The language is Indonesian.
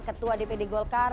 ketua dpd golkar